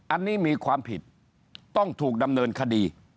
อันนี้มีความผิดต้องถูกดำเนินคดี